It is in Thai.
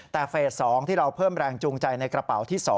แต่เฟส๒ที่เราเพิ่มแรงจูงใจในกระเป๋าที่๒